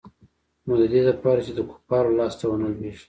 نو د دې د پاره چې د کفارو لاس ته ونه لوېږي.